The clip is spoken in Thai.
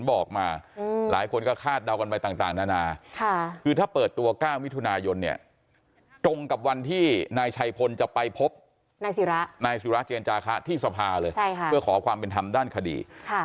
บอกมาหลายคนก็คาดเดากันไปต่างนานาคือถ้าเปิดตัว๙มิถุนายนเนี่ยตรงกับวันที่นายชัยพลจะไปพบนายศิระนายศิราเจนจาคะที่สภาเลยเพื่อขอความเป็นธรรมด้านคดี